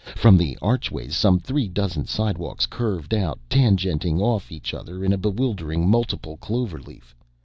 From the archways some three dozen slidewalks curved out, tangenting off each other in a bewildering multiple cloverleaf.